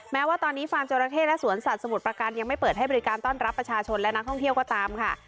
แม้ว่าตอนนี้ฟาร์มจราเข้และสวนสัตว์สมุทรประการยังไม่เปิดให้บริการต้อนรับประชาชนและนักท่องเที่ยวก็ตามค่ะ